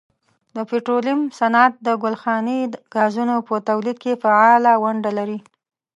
د پټرولیم صنعت د ګلخانهیي ګازونو په تولید کې فعاله ونډه لري.